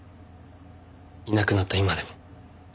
いなくなった今でも。